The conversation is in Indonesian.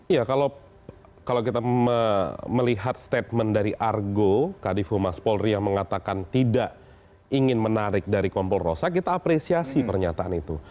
ya kalau kita melihat statement dari argo kadifu mas polri yang mengatakan tidak ingin menarik dari kompor rosa kita apresiasi pernyataan itu